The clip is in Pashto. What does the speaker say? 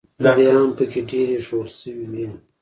بیا هم پکې ډېرې ایښوول شوې وې.